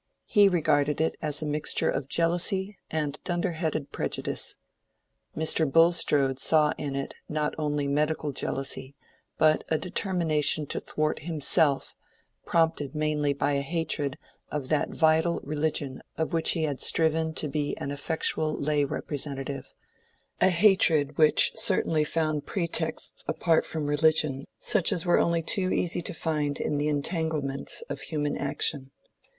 He regarded it as a mixture of jealousy and dunderheaded prejudice. Mr. Bulstrode saw in it not only medical jealousy but a determination to thwart himself, prompted mainly by a hatred of that vital religion of which he had striven to be an effectual lay representative—a hatred which certainly found pretexts apart from religion such as were only too easy to find in the entanglements of human action.